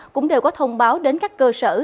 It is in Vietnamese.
cũng đều có thông báo đến các cơ sở